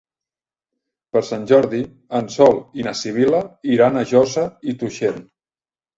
Per Sant Jordi en Sol i na Sibil·la iran a Josa i Tuixén.